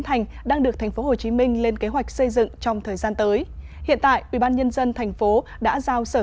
thành đang được tp hcm lên kế hoạch xây dựng trong thời gian tới hiện tại ubnd tp đã giao sở